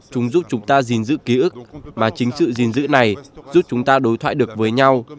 chúng giúp chúng ta gìn giữ ký ức mà chính sự gìn giữ này giúp chúng ta đối thoại được với nhau